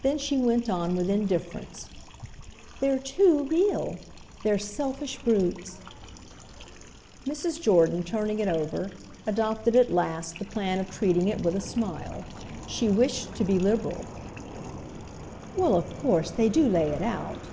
Then she went on with indifference: "They're too real! They're selfish brutes." Mrs. Jordan, turning it over, adopted at last the plan of treating it with a smile. She wished to be liberal. "Well, of course, they do lay it out."